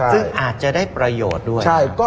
ซึ่งอาจจะได้ประโยชน์ด้วย